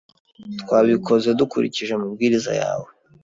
Twabikoze dukurikije amabwiriza yawe.